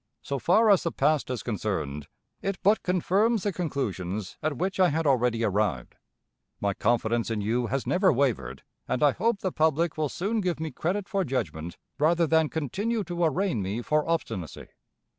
So far as the past is concerned, it but confirms the conclusions at which I had already arrived. My confidence in you has never wavered, and I hope the public will soon give me credit for judgment, rather than continue to arraign me for obstinacy.